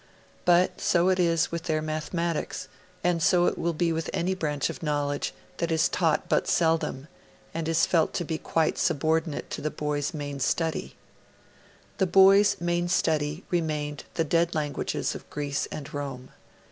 But so it is with their mathematics; and so it will be with any branch of knowledge that is taught but seldom, and is felt to be quite subordinate to the boys' main study.' The boys' main study remained the dead languages of Greece and Rome.